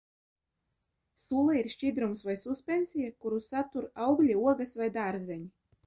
Sula ir šķidrums vai suspensija, kuru satur augļi, ogas vai dārzeņi.